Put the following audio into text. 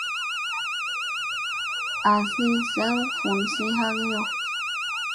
Azi seŋ vunuzi ha kiyo.